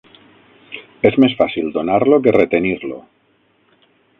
És més fàcil donar-lo que retenir-lo.